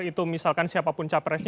itu misalkan siapapun capres